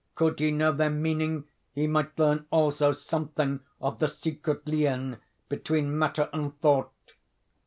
Could he know their meaning he might learn also something of the secret lien between Matter and Thought.